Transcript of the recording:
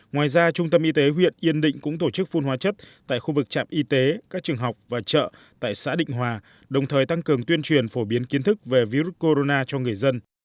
ngoài ra trung tâm y tế huyện yên định cũng tổ chức phun hóa chất tại khu vực trạm y tế các trường học và chợ tại xã định hòa đồng thời tăng cường tuyên truyền phổ biến kiến thức về virus corona cho người dân